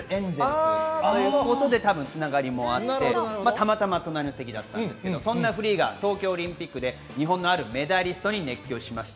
ロサンゼルス・レイカーズも好きで、つながりもあったということで、たまたま隣の席だったんですが、そんなフリーが東京オリンピックで日本のあるメダリストに熱狂しました。